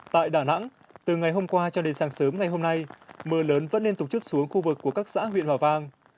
tại đà nẵng từ ngày hôm qua cho đến sáng sớm ngày hôm nay mưa lớn vẫn liên tục chút xuống khu vực của các xã huyện hòa vang